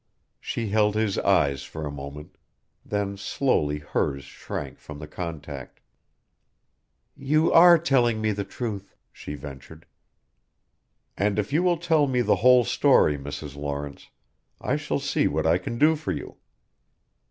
She held his eyes for a moment, then slowly hers shrank from the contact. "You are telling me the truth," she ventured. "And if you will tell me the whole story, Mrs. Lawrence I shall see what I can do for you."